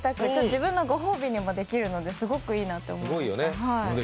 自分の御褒美にもできるのですごくいいなって思いました。